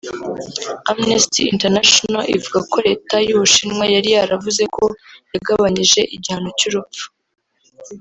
Amnesty International ivuga ko Leta y’u Bushinwa yari yaravuze ko yagabanyije igihano cy’urupfu